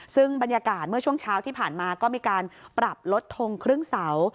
ซึ่งบรรยากาศเมื่อช่วงเช้าที่ผ่านมาก็มีการปรับลดทงครึ่งเสา